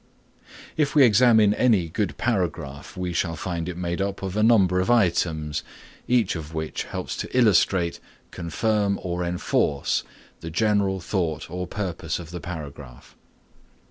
If we examine any good paragraph we shall find it made up of a number of items, each of which helps to illustrate, confirm or enforce the general thought or purpose of the paragraph.